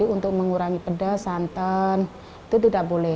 untuk mengurangi pedas santan itu tidak boleh